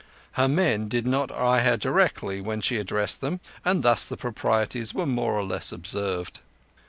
Her men did not eye her directly when she addressed them, and thus the proprieties were more or less observed.